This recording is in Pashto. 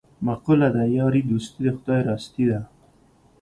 مقوله ده: یاري دوستي د خدای راستي ده.